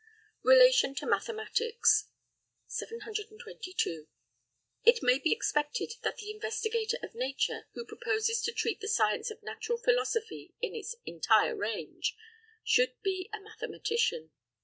RELATION TO MATHEMATICS. 722. It may be expected that the investigator of nature, who proposes to treat the science of natural philosophy in its entire range, should be a mathematician.